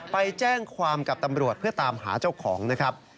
ไปแจ้งความกับตำรวจเพื่อตามหาเจ้าของนะครับ